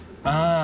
ああ。